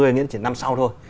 nghĩa là chỉ năm sau thôi